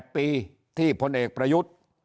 ๘ปีที่พลเอกประยุทธ์